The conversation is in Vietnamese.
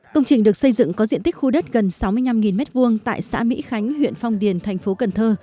công trình được xây dựng có diện tích khu đất gần sáu mươi năm m hai tại xã mỹ khánh huyện phong điền thành phố cần thơ